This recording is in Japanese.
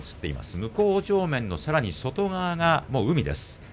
向正面のさらに外側が海です。